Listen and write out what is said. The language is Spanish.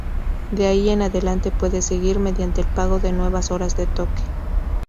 De ahí en adelante puede seguir mediante el pago de nuevas "horas de toque".